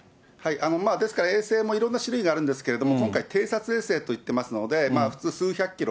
ですから衛星もいろんな種類があるんですけれども、今回、偵察衛星といってますので、普通数百キロ、